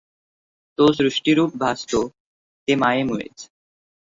तो सृष्टिरूप भासतो ते मायेमुळेच.